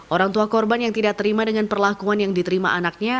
orang tua korban yang tidak terima dengan perlakuan yang diterima anaknya